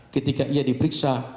ketika ia diperiksa